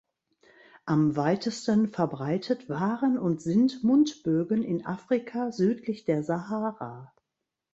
Am weitesten verbreitet waren und sind Mundbögen in Afrika südlich der Sahara.